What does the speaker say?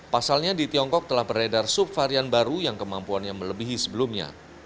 pasalnya di tiongkok telah beredar subvarian baru yang kemampuannya melebihi sebelumnya